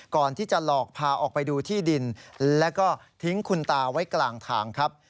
ก่อนที่จะหลอกพาออกไปดูที่ดินแล้วก็ทิ้งคุณตาไว้กลางทางครับ